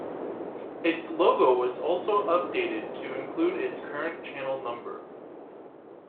Its logo was also updated to include its current channel number.